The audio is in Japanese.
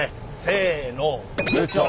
せの。